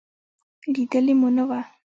لېدلې مو نه وه.